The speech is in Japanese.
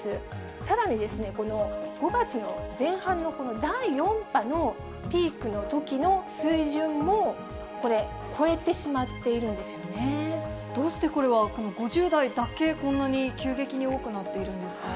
さらにですね、この５月の前半の第４波のピークのときの水準も、これ、超えてしどうしてこれは、この５０代だけ、こんなに急激に多くなっているんですか。